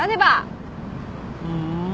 ふん。